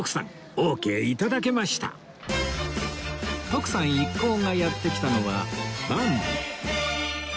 徳さん一行がやって来たのはバンビ